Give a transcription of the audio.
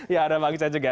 ya ada bang ijan juga